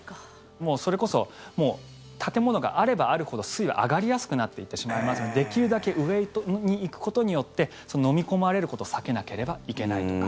それこそもう建物があればあるほど水位は上がりやすくなっていってしまいますのでできるだけ上に行くことによってのみ込まれることを避けなければいけないとか。